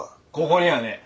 ここにはねえ。